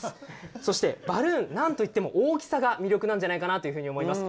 そしてバルーンはなんといっても大きさが魅力なんじゃないかと思います。